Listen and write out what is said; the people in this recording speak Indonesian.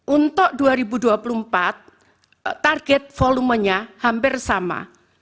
untuk dua ribu dua puluh empat target volumenya hampir sama